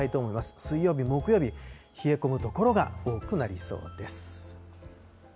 水曜日、木曜日、冷え込む所が多くなりそうです。